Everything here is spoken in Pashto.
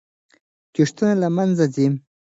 کښتونه له منځه ځي.